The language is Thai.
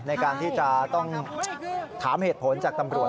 ในการที่จะต้องถามเหตุผลจากตำรวจ